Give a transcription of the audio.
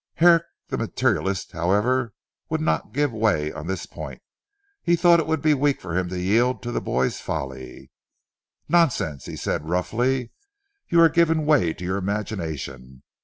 Herrick the materialist however, would not give way on this point. He thought it would be weak for him to yield to the boy's folly. "Nonsense," he said roughly. "You are giving way to your imagination.